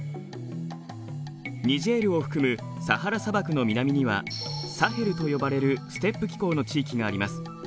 ニジェールを含むサハラ砂漠の南にはサヘルと呼ばれるステップ気候の地域があります。